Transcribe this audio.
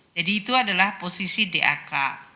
jadi itu adalah posisi dak